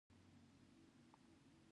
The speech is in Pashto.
که چېرې هغه د اړتیا وړ استراحت ونه کړای شي